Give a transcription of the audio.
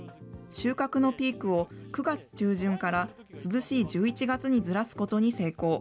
収穫のピークを９月中旬から涼しい１１月にずらすことに成功。